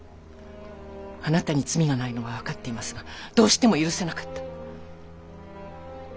あなたに罪がないのは分かっていますがどうしても許せなかった。